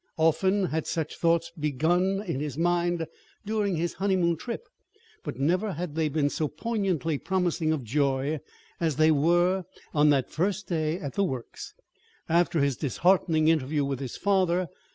Often had such thoughts been in his mind during his honeymoon trip; but never had they been so poignantly promising of joy as they were on that first day at the Works, after his disheartening interview with his father.